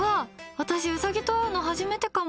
私、ウサギと会うの初めてかも。